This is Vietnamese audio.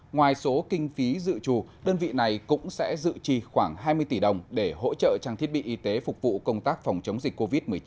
ngoài số kinh phí dự trù đơn vị này cũng sẽ dự trì khoảng hai mươi tỷ đồng để hỗ trợ trang thiết bị y tế phục vụ công tác phòng chống dịch covid một mươi chín